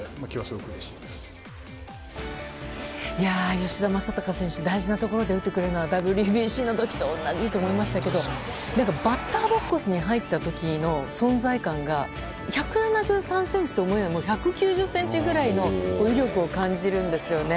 吉田正尚選手大事なところで打ってくれるのはＷＢＣの時と同じだと思いましたけどバッターボックスに入った時の存在感が１７３ｃｍとは思えない１９０ｃｍぐらいの威力を感じるんですね。